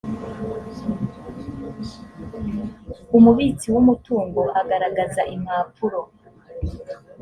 umubitsi w’umutungo agaragaza impapuro